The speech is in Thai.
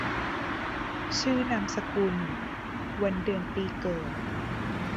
ชื่อนามสกุล วันเดือนปีเกิด